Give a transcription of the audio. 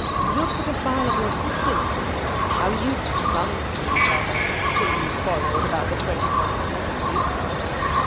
Look at a file of your sister's! how you clung to each other till you quarrelled about the twenty pound legacy!